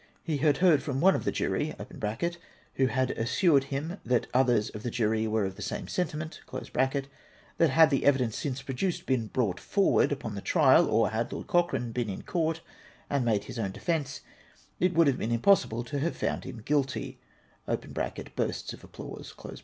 He had heard from one of the jury (who had assured him that others of that jury were of the same sentiment), that had the evidence since produced been brought forward upon the trial, or had Lord Cochrane been in Court and made his own defence, it would have been impossible to have' found him guilt}^ {bursts of applause).